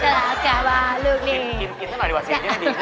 กินทั้งหน่อยดีกว่าเสียชีวิตดี